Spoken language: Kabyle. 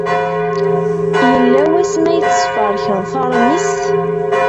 Yella wasmi ay tesferkeḍ taṛmist?